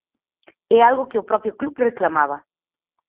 É algo que o propio Club reclamaba.